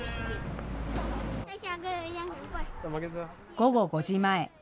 午後５時前。